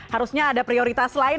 harusnya ada prioritas lain